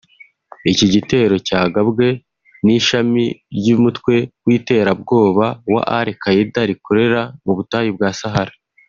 Iki gitero cyagabwe n’ishami ry’umutwe w’iterabwoba wa al-Qaeda rikorera mu Butayu bwa Sahara